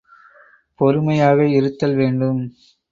பொறுமையாக இருத்தல் வேண்டும்!